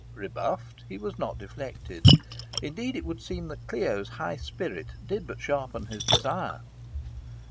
Rebuffed, he was not deflected. Indeed it would seem that Clio's high spirit did but sharpen his desire.